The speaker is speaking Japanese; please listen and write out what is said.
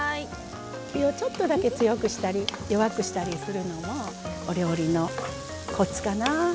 火をちょっとだけ強くしたり弱くしたりするのもお料理のコツかな。